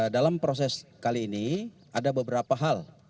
dalam proses kali ini ada beberapa hal